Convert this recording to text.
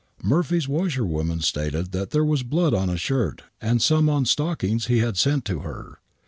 Murphy's washer woman stated that there was blood on a shirt and on some stock ings he had sent to her.